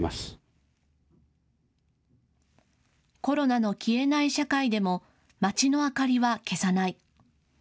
コロナの消えない社会でも街の明かりは消さない。